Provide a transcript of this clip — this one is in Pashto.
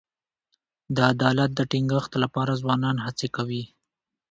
د عدالت د ټینګښت لپاره ځوانان هڅې کوي.